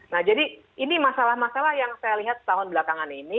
nah jadi ini masalah masalah yang saya lihat setahun belakangan ini